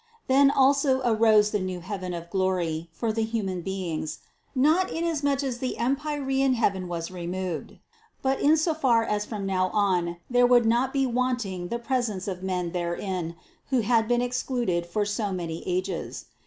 Then also arose the new heaven of glory for the human beings, not inasmuch as the empyrean heaven was removed, but in so far as from now on there would not be wanting the presence of men therein, who had been excluded for so many ages.